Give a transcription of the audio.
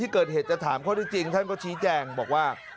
ที่เกิดเหตุจะถามเขาได้จริงท่านก็ชี้แจ้งบอกว่า